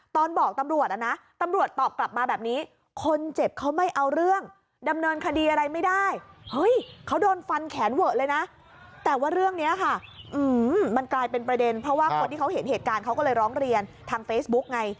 แต่ว่าเรื่องนี้ค่ะมันกลายเป็นประเด็นเพราะว่าคนที่เขาเห็นเหตุการณ์เขาก็เลยร้องเรียนทางเฟซบุ๊คไง